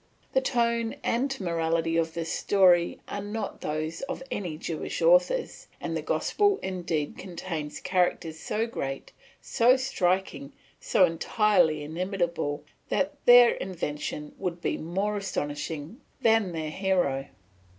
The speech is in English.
The tone and morality of this story are not those of any Jewish authors, and the gospel indeed contains characters so great, so striking, so entirely inimitable, that their invention would be more astonishing than their hero.